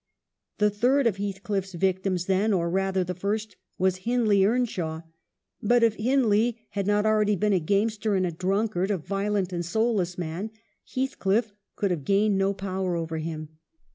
The third of Heathcliffs victims then, or rather the first, was Hindley Earnshaw. But if Hindley had not already been a gamester and a drunkard, a violent and soulless man, Heathcliff could have gained no power over him.